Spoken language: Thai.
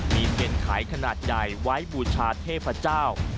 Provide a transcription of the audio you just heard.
มีเทียนไขขนาดใหญ่ไว้บูชาเทพเจ้า